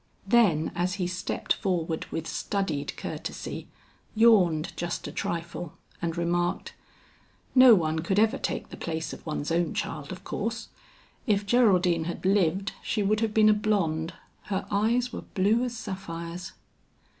Then as he stepped forward with studied courtesy, yawned just a trifle and remarked, "No one could ever take the place of one's own child of course. If Geraldine had lived she would have been a blonde, her eyes were blue as sapphires."